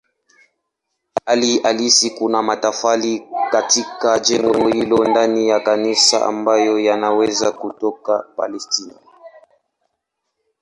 Hali halisi kuna matofali katika jengo hilo ndani ya kanisa ambayo yanaweza kutoka Palestina.